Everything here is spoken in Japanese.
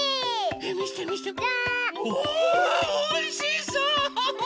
ねおいしそう！